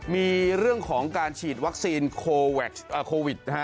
มีเรื่องของการฉีดวัคซีนโควิดนะฮะ